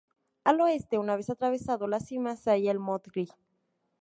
Al oeste, una vez atravesado la cima, se halla el Montgrí.